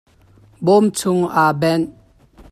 Bawm chung a banh.